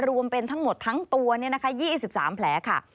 รวมเป็นทั้งหมดทั้งตัว๒๓แผลค่ะ